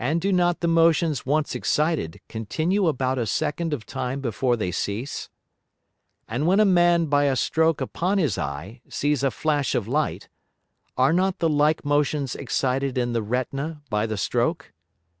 And do not the Motions once excited continue about a Second of Time before they cease? And when a Man by a stroke upon his Eye sees a flash of Light, are not the like Motions excited in the Retina by the stroke?